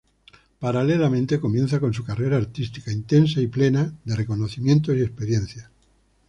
Paralelamente comienzan con su carrera artística, intensa y plena de reconocimientos y experiencias.